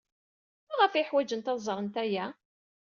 Maɣef ay ḥwajent ad ẓrent aya?